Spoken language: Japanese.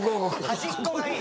端っこがいい。